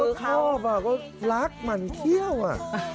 แม้เขาชอบอ่ะก็รักมันเขี้ยวอ่ะ